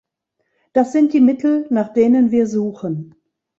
Das sind die Mittel, nach denen wir suchen.